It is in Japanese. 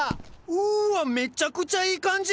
うっわめちゃくちゃいい感じ！